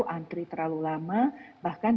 antri terlalu lama bahkan